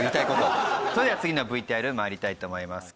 それでは次のＶＴＲ参りたいと思います。